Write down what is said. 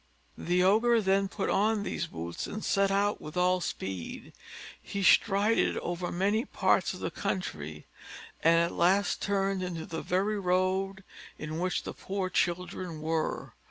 The Ogre then put on these boots, and set out with all speed. He strided over many parts of the country, and at last turned into the very road in which the poor children were.